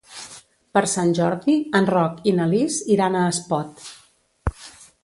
Per Sant Jordi en Roc i na Lis iran a Espot.